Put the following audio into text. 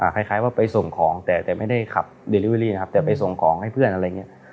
คล้ายว่าไปส่งของแต่ไม่ได้ขับเดลิเวอรี่นะครับแต่ไปส่งของให้เพื่อนอะไรอย่างนี้